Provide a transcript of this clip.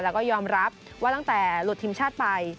แล้วก็ยอมรับว่าตั้งแต่หลุดทีมชาติไป